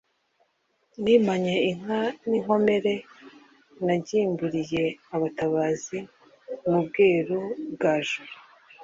Nimanye inka n’inkomere nagimbuliye abatabazi mu Bweru bwa Juru,